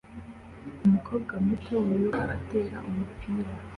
Umukobwa muto wiruka atera umupira